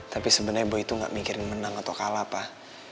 tapi sebenarnya boy itu nggak mikirin menang atau kalah pak